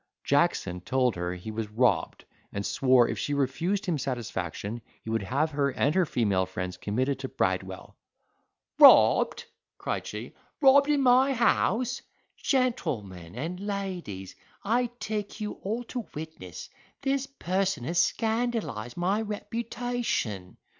Jackson told her he was robbed, and swore if she refused him satisfaction, he would have her and her female friends committed to Bridewell. "Robbed!" cried she, "robbed in my house! Gentlemen and Ladies, I take you all to witness, this person has scandalised my reputation."